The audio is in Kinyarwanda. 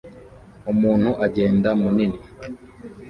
Umuntu agenda munini